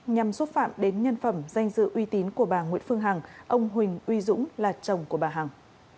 nhằm xúc phạm đến nhân phẩm danh dự uy tín của bà nguyễn phương hằng ông huỳnh uy dũng là chồng của bà hằng